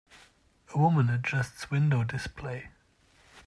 A woman adjusts window display.